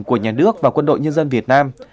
của nhà nước và quân đội nhân dân việt nam